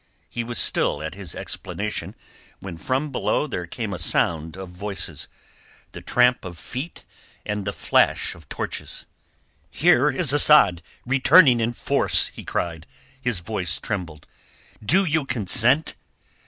He was still at his explanation when from below there came a sound of voices, the tramp of feet, and the flash of torches. "Here is Asad returning in force," he cried, and his voice trembled. "Do you consent?"